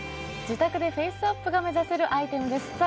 自宅でフェイスアップが目指せるアイテムです。